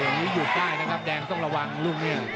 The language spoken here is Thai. อย่างนี้หยุดได้นะครับแดงต้องระวังลูกเนี่ย